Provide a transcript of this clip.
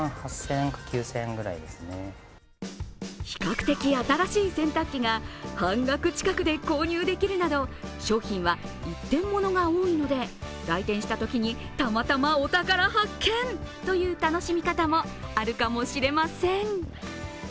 比較的新しい洗濯機が半額近くで購入できるなど、商品は一点物が多いので来店したときにたまたまお宝発見という楽しみ方もあるかもしれません。